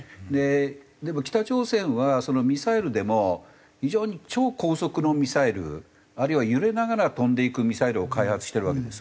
でも北朝鮮はミサイルでも非常に超高速のミサイルあるいは揺れながら飛んでいくミサイルを開発してるわけです。